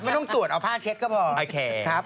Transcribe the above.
ไม่ต้องตรวจเอาผ้าเช็ดก็พอครับ